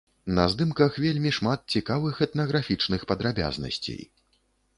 На здымках вельмі шмат цікавых этнаграфічных падрабязнасцей.